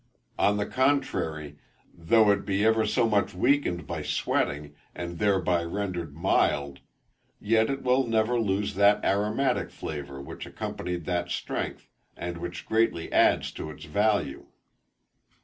On the contrary, though it be ever so much weakened by sweating, and thereby rendered mild, yet it will never lose that aromatic flavour which accompanied that strength, and which greatly adds to its value.